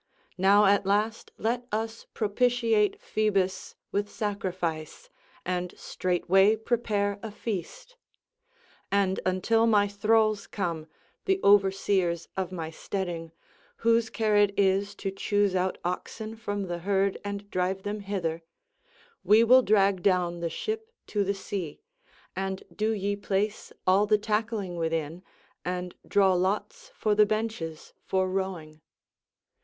Now at last let us propitiate Phoebus with sacrifice and straightway prepare a feast. And until my thralls come, the overseers of my steading, whose care it is to choose out oxen from the herd and drive them hither, we will drag down the ship to the sea, and do ye place all the tackling within, and draw lots for the benches for rowing.